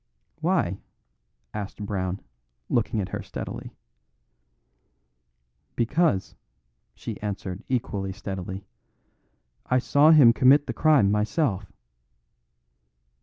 "Why?" asked Brown, looking at her steadily. "Because," she answered equally steadily, "I saw him commit the crime myself."